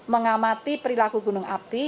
mengamati perilaku gunung api